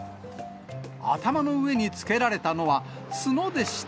頭の上につけられたのは、角でした。